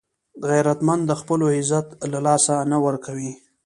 غیرتمند د خپلو عزت له لاسه نه ورکوي